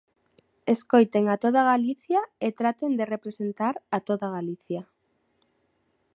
Escoiten a toda Galicia e traten de representar a toda Galicia.